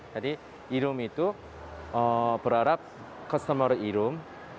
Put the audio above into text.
jadi ilum itu berharap customer ilum